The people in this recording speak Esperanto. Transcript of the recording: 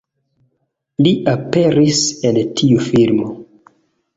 Li aperis en tiu filmo